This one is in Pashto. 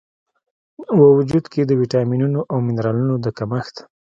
و وجود کې د ویټامینونو او منرالونو د کمښت